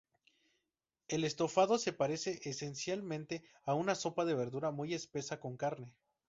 El estofado se parece esencialmente a una sopa de verdura muy espesa con carne.